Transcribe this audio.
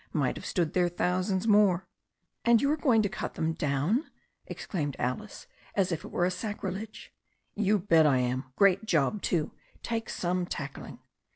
Might have stood there thousands more." "And you are going to cut them down I" exclaimed Alice, as if it were sacrilege. "You bet I am. Great job too. Takes some tackling."